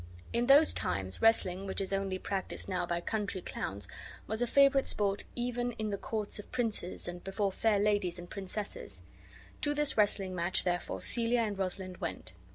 In those times wrestling, which is only practised now by country clowns, was a favorite sport even in the courts of princes, and before fair ladies and princesses. To this wrestling match, therefore, Celia and Rosalind went.